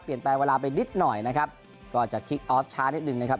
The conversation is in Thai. เปลี่ยนแปลงเวลาไปนิดหน่อยนะครับ